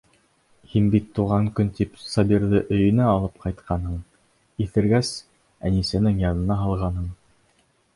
Һин бит тыуған көн тип Сабирҙы өйөңә алып ҡайтҡанһың, иҫергәс, Әнисәнең янына һалғанһың.